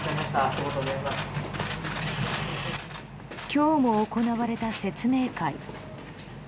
今日も行われた説明会。